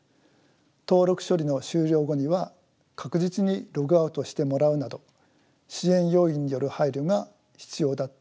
登録処理の終了後には確実にログアウトしてもらうなど支援要員による配慮が必要だったと思います。